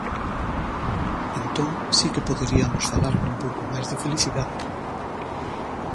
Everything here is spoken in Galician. ¡Entón si que poderiamos falar dun pouco máis de felicidade!